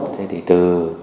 thế thì từ